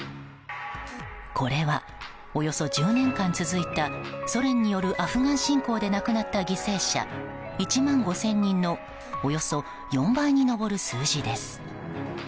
これは、およそ１０年間続いたソ連によるアフガン侵攻で亡くなった犠牲者１万５０００人のおよそ４倍に上る数字です。